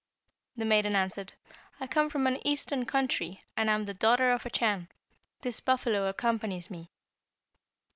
The maiden answered, 'I come from an eastern country, and am the daughter of a Chan. This buffalo accompanies me.'